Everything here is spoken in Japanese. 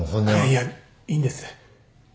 いやいいんです。